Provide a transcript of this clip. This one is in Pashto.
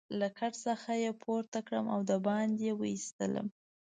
له کټ څخه يې پورته کړم او دباندې يې وایستلم.